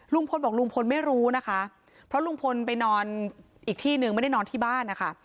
ลุงพลบอกลุงพลไม่รู้นะคะเพราะลุงพลไปนอนอีกที่หนึ่งไม่ได้นอนที่บ้านนะคะ